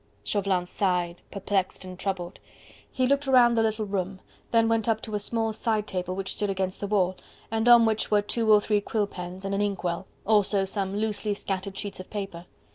Chauvelin sighed, perplexed and troubled. He looked round the little room, then went up to a small side table which stood against the wall and on which were two or three quill pens and an ink well, also some loosely scattered sheets of paper.